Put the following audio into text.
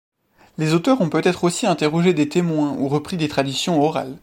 Les auteurs ont peut être aussi interrogé des témoins ou repris des traditions orales.